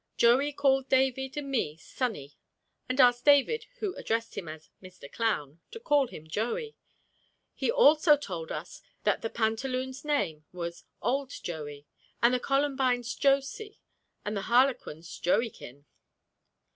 Joey called David and me "Sonny," and asked David, who addressed him as "Mr. Clown," to call him Joey. He also told us that the pantaloon's name was old Joey, and the columbine's Josy, and the harlequin's Joeykin.